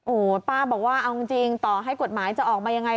โอ้โหป้าบอกว่าเอาจริงต่อให้กฎหมายจะออกมายังไง